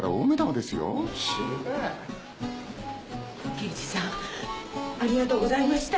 刑事さんありがとうございました。